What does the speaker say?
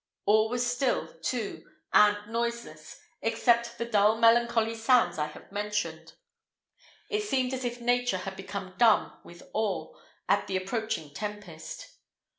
All was still, too, and noiseless, except the dull melancholy sounds I have mentioned: it seemed as if nature had become dumb with awe at the approaching tempest.